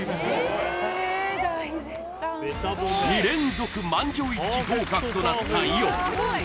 ２連続満場一致合格となったイオン